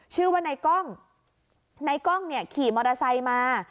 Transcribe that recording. ชื่อว่าในกล้องนายกล้องเนี่ยขี่มอเตอร์ไซค์มา